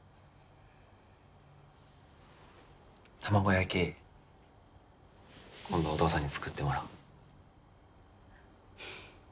卵焼き今度お義父さんに作ってもらおう。